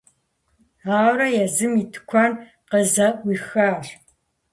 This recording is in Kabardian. Ауэрэ езым и тыкуэн къызэӀуихащ.